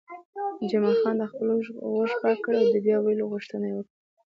جمال خان خپل غوږ پاک کړ او د بیا ویلو غوښتنه یې وکړه